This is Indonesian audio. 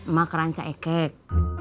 mak keranca ekek